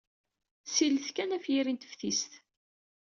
Sillet kan ɣef yiri n teftist.